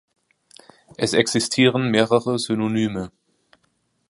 Es existieren mehrere Synonyme.